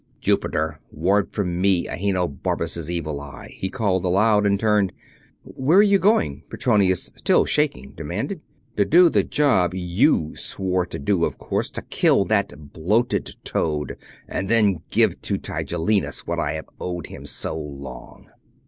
"Jupiter, ward from me Ahenobarbus' evil eye!" he called aloud, and turned. "Where are you going?" Petronius, still shaking, demanded. "To do the job you swore to do, of course to kill that bloated toad. And then to give Tigellinus what I have owed him so long."